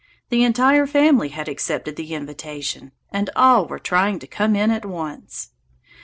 The entire family had accepted the invitation, and all were trying to come in at once!